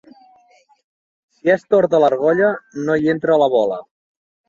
Si és torta l'argolla, no hi entra la bola.